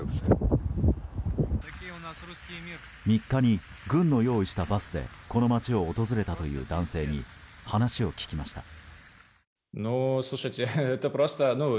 ３日に、軍の用意したバスでこの街を訪れたという男性に話を聞きました。